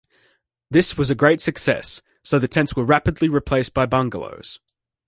This was a great success, so the tents were rapidly replaced by bungalows.